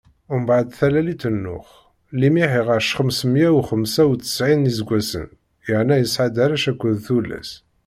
Mbeɛd talalit n Nuḥ, Limix iɛac xems meyya u xemsa u ttsɛin n iseggasen, yerna yesɛa-d arrac akked tullas.